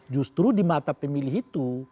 justru di mata pemilih itu